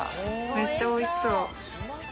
めっちゃおいしそう。